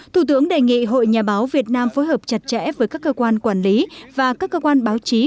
thủ tướng đề nghị hội nhà báo việt nam phối hợp chặt chẽ với các cơ quan quản lý và các cơ quan báo chí